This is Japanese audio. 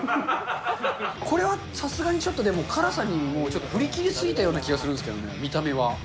これはさすがにちょっとでも辛さにもう、ちょっと振り切りすぎたような気がするんですけど、見た目は。